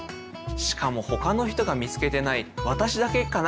しかもほかの人が見つけてない「私だけかな？